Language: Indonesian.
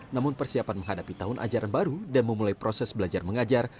namun persiapan menghadapi tahun ajaran baru dan memulai proses belajar mengajar